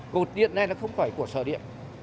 cột điện này nó không phải của sợ điện